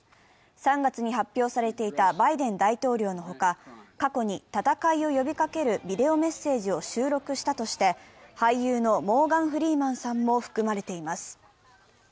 ３月に発表されていたバイデン大統領のほか、過去に戦いを呼びかけるビデオメッセージを収録したとして、俳優のモーガン・フリーマンさんも含まれています。